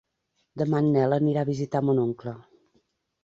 Demà en Nel anirà a visitar mon oncle.